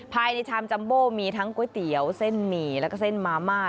ภายในชามจัมโบมีทั้งก๋วยเตี๋ยวเส้นหมี่แล้วก็เส้นมาม่า